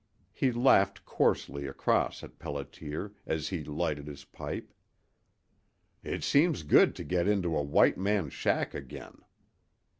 He laughed coarsely across at Pelliter as he lighted his pipe. "It seems good to get into a white man's shack again."